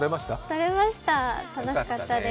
とれました、楽しかったです。